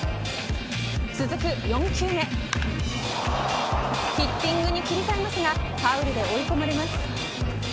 続く４球目ヒッティングに切り替えますがファウルで追い込まれます。